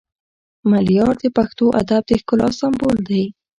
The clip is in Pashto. ملیار د پښتو ادب د ښکلا سمبول دی